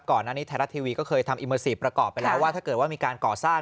ก่อนหน้านี้ไทยรัฐทีวีก็เคยทำอิเมอร์ซีฟประกอบไปแล้วว่าถ้าเกิดว่ามีการก่อสร้าง